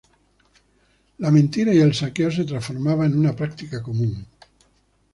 La mentira y el saqueo se transformaba en una práctica común.